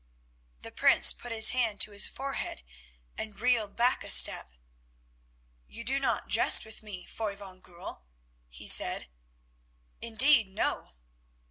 The Prince put his hand to his forehead and reeled back a step. "You do not jest with me, Foy van Goorl?" he said. "Indeed no."